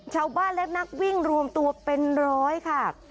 ชาวบ้านและนักวิ่งรวมตัวเป็นร้อยค่ะ